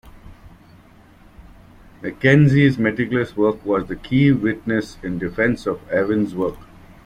Mackenzie's meticulous work was the key witness in defense of Evans' work.